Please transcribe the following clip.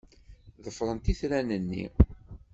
Ḍefremt itran-nni.